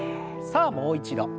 さあもう一度。